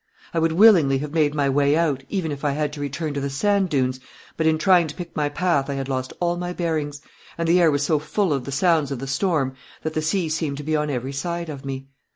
I would willingly have made my way out, even if I had to return to the sand dunes, but in trying to pick my path I had lost all my bearings, and the air was so full of the sounds of the storm that the sea seemed to be on every side of me.